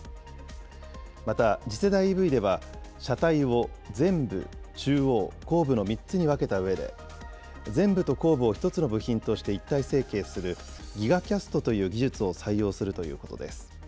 また次世代ＥＶでは車体を前部、中央、後部の３つに分けたうえで、前部と後部を１つの部品として一体成形する、ギガキャストという技術を採用するということです。